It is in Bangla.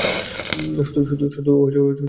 শুধু ওখানে থেকো।